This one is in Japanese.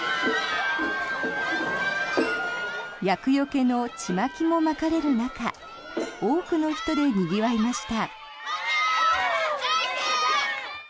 厄よけのちまきもまかれる中多くの人でにぎわいました。